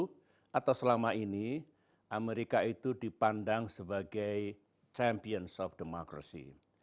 pada saat atau selama ini amerika itu dipandang sebagai champions of democracy